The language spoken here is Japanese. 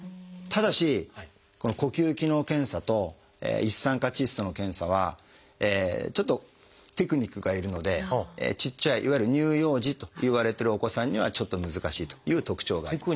ただし呼吸機能検査と一酸化窒素の検査はちょっとテクニックが要るのでちっちゃいいわゆる乳幼児といわれてるお子さんにはちょっと難しいという特徴があります。